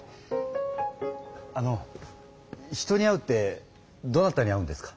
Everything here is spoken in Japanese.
あの人に会うってどなたに会うんですか？